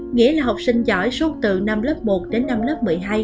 nghĩa là học sinh giỏi suốt từ năm lớp một đến năm lớp một mươi hai